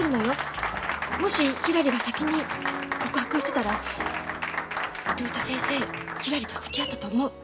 もしひらりが先に告白してたら竜太先生ひらりとつきあったと思う。